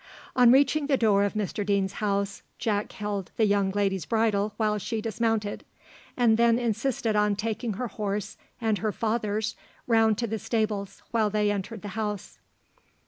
On reaching the door of Mr Deane's house, Jack held the young lady's bridle while she dismounted, and then insisted on taking her horse and her father's round to the stables while they entered the house.